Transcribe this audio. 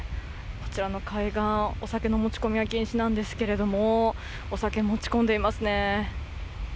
こちらの海岸、お酒の持ち込みは禁止なんですけれどもお酒を持ち込んでいますね。